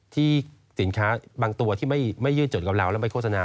ที่สินค้าบางตัวที่ไม่ยืดจดกับเราแล้วไปโฆษณา